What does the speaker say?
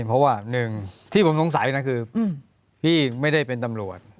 เพราะว่าหนึ่งที่ผมสงสัยนะคือพี่ไม่ได้เป็นตำรวจ